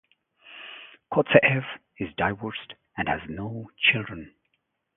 Kozeyev is divorced and has no children.